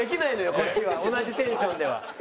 こっちは同じテンションでは。